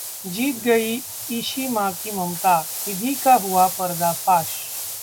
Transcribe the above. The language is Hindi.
जीत गई इशि मां की ममता, निधि का हुआ पर्दाफाश